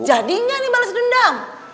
jadinya ini balas dendam